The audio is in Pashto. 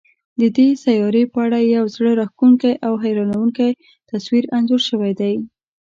د دې سیارې په اړه یو زړه راښکونکی او حیرانوونکی تصویر انځور شوی دی.